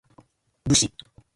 武士